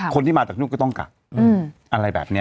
คนที่มาจากนู่นก็ต้องกักอะไรแบบนี้